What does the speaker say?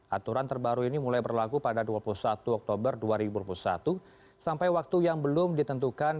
aturan terbaru ini mulai berlaku pada dua puluh satu oktober dua ribu dua puluh satu sampai waktu yang belum ditentukan